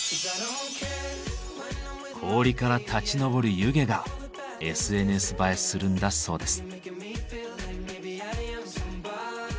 氷から立ち上る湯気がＳＮＳ映えするんだそうです。